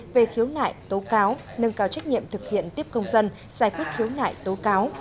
về khiếu nại tố cáo nâng cao trách nhiệm thực hiện tiếp công dân giải quyết khiếu nại tố cáo